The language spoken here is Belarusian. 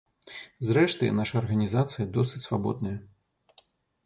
Зрэшты, наша арганізацыя досыць свабодная.